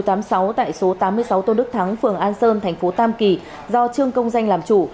tại số tám mươi sáu tôn đức thắng phường an sơn thành phố tam kỳ do trương công danh làm chủ